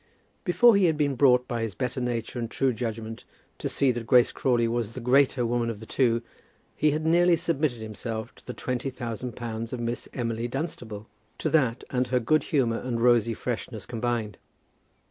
Before he had been brought by his better nature and true judgment to see that Grace Crawley was the greater woman of the two, he had nearly submitted himself to the twenty thousand pounds of Miss Emily Dunstable, to that, and her good humour and rosy freshness combined.